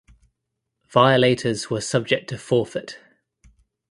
Violators were subject to forfeit.